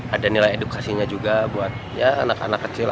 ada nilai edukasinya juga buat anak anak kecil